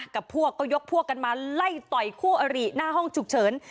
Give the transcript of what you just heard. กับพวกก็ยกพวกกันมาไล่ต่อยคู่อริหน้าห้องฉุกเฉิน